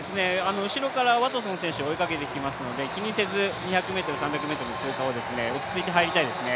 後ろからワトソン選手追いかけてきますので、気にせず、２００ｍ、３００ｍ通過を落ち着いて入りたいですよね。